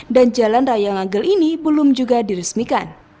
dan jalan raya nggel ini belum juga diresmikan